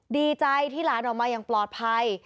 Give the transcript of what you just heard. ดีใจที่หลานออกมาอย่างปลอดภัย